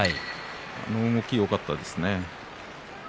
あの動き、よかったですね。